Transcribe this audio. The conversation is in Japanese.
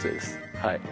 はい